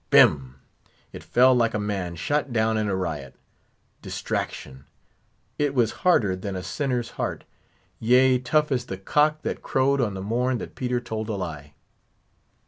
Bim! it fell like a man shot down in a riot. Distraction! It was harder than a sinner's heart; yea, tough as the cock that crowed on the morn that Peter told a lie.